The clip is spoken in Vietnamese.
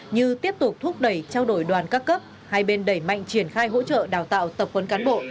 như tiếp tục thúc đẩy trao đổi đoàn các cấp hai bên đẩy mạnh triển khai hỗ trợ đào tạo tập huấn cán bộ